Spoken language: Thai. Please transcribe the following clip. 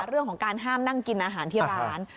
เรื่องของการห้ามนั่งกินอาหารที่ร้าน